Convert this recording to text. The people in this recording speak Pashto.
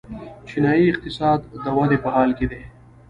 چینايي اقتصاد د ودې په حال کې دی.